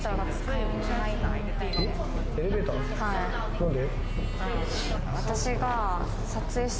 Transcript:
何で？